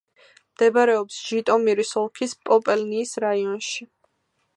მდებარეობს ჟიტომირის ოლქის პოპელნიის რაიონში.